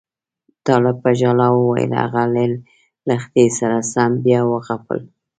طالب په ژړا وویل هغه له لښتې سره سم بیا وغپل.